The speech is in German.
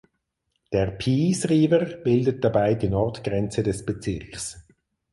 Der Peace River bildet dabei die Nordgrenze des Bezirks.